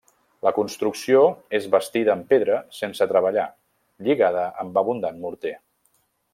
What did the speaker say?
La construcció és bastida amb pedra sense treballar lligada amb abundant morter.